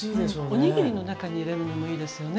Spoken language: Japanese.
お握りの中に入れるのもいいですよね。